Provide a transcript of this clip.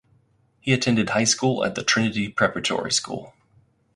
He attended high school at the Trinity Preparatory School.